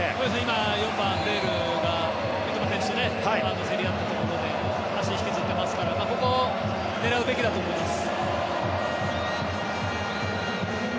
４番、フレールが三笘選手と競り合ったところで足を引きずっていますからここを狙うべきだと思います。